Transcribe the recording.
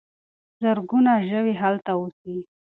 زرګونه ژوي هلته اوسي.